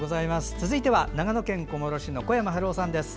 続いては長野県小諸市の小山晴夫さんです。